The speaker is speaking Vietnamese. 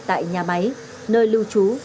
tại nhà máy nơi lưu trú